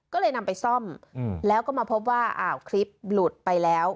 ก็เลยนำไปซ่อมแล้วก็มาพบว่าอ้าวคลิปหลุดไปแล้ว